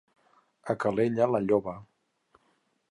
A Calella, la lloba.